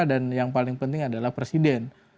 yang paling penting adalah presiden